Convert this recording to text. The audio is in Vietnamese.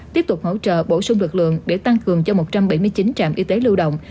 tiếp tục hỗ trợ bổ sung lực lượng để tăng cường cho một trăm bảy mươi chín trạm y tế lưu động